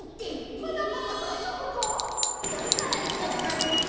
はなかっぱだいじょうぶか？だからいったじゃないですか。